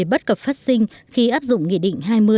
bất cập phát sinh khi áp dụng nghị định